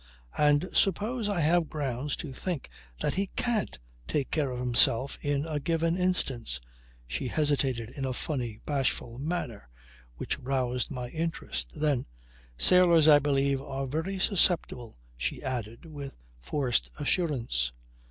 "And suppose I have grounds to think that he can't take care of himself in a given instance." She hesitated in a funny, bashful manner which roused my interest. Then: "Sailors I believe are very susceptible," she added with forced assurance.